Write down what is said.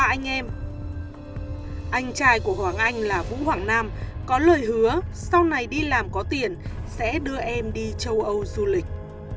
anh em trai của hoàng anh là vũ hoàng nam có lời hứa sau này đi làm có tiền sẽ đưa em đi châu âu du lịch